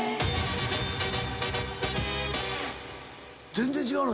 全然違うの？